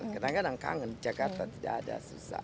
kadang kadang kangen di jakarta tidak ada susah